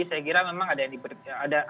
saya kira memang ada yang diberikan